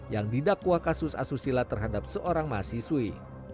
yang didakwa kasus asusila terhadap seorang mahasiswi